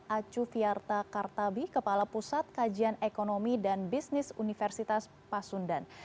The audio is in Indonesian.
acu fiarta kartabi kepala pusat kajian ekonomi dan bisnis universitas pasundan